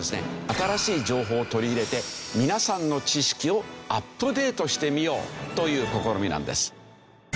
新しい情報を取り入れて皆さんの知識をアップデートしてみようという試みなんです。